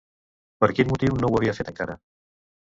Per quin motiu no ho havia fet encara?